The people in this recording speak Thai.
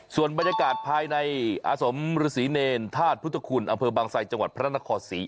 ส่วนบรรยากาศภายในอาสมฤษีเนรธาตุพุทธคุณอำเภอบางไซจังหวัดพระนครศรี